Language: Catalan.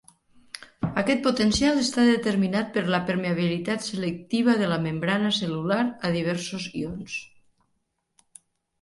Aquest potencial està determinat per la permeabilitat selectiva de la membrana cel·lular a diversos ions.